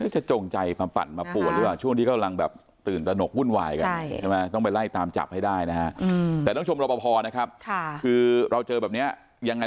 จะจงใจปัดมาปวดหรือว่าช่วงที่ก็อยู่แบบตื่นตระหนกวุ่นวายกัน